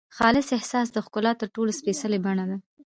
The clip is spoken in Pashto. خالص احساس د ښکلا تر ټولو سپېڅلې بڼه ده.